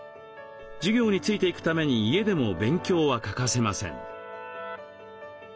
授業についていくために家でも勉強は欠かせません。